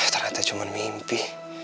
ternyata cuma mimpi